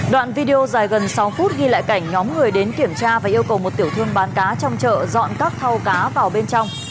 đoạn video dài gần sáu phút ghi lại cảnh nhóm người đến kiểm tra và yêu cầu một tiểu thương bán cá trong chợ dọn các thao cá vào bên trong